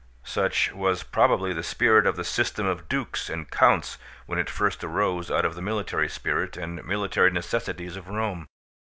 Such was probably the spirit of the system of dukes and counts when it first arose out of the military spirit and military necessities of Rome.